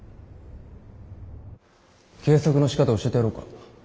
計測のしかた教えてやろうか？